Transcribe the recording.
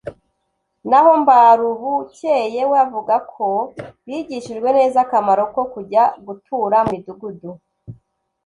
naho Mbarubukeye we avuga ko bigishijwe neza akamaro ko kujya gutura mu midugudu